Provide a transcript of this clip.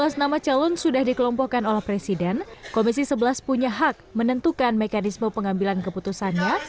empat belas nama calon sudah dikelompokkan oleh presiden komisi sebelas punya hak menentukan mekanisme pengambilan keputusannya